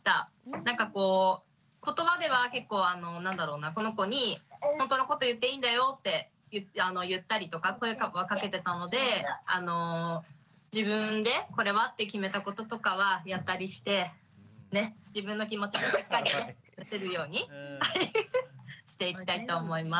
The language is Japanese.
なんかこう言葉では結構この子に本当のこと言っていいんだよって言ったりとか声はかけてたので自分でこれはって決めたこととかはやったりしてねっ自分の気持ちもしっかりね出せるようにしていきたいと思います。